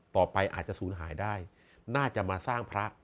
ต่อไปอาจจะศูนย์หายได้น่าจะมาสร้างพระ